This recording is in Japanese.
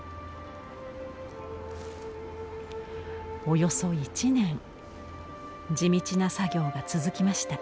およそ１年地道な作業が続きました。